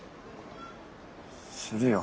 するよ。